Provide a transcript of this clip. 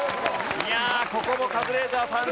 いやあここもカズレーザーさん